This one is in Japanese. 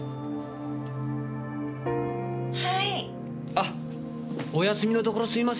あお休みのところすいません。